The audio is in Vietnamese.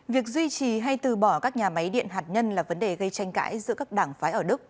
việc duy trì hay từ bỏ các nhà máy điện hạt nhân là vấn đề gây tranh cãi giữa các đảng phái ở đức